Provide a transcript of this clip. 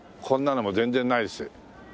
こんなのも全然ないです。